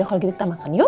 kalau gitu kita makan yuk